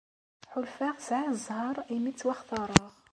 Ḥulfaɣ sɛiɣ ẓẓher imi ttwaxtareɣ.